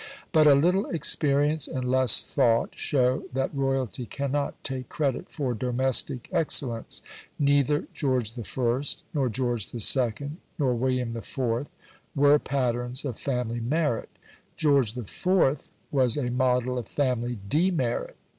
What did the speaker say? But a little experience and less thought show that royalty cannot take credit for domestic excellence. Neither George I., nor George II., nor William IV. were patterns of family merit; George IV. was a model of family demerit.